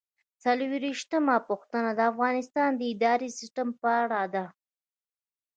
څلرویشتمه پوښتنه د افغانستان د اداري سیسټم په اړه ده.